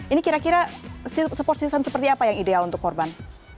ini kira kira support system seperti apa yang ideal untuk korban